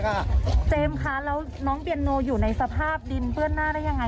เขาก็ตัดสินด้วยผมไม่ได้เป็นคนฆ่าได้ด้วย